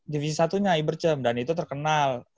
divisi satu nya ibercem dan itu terkenal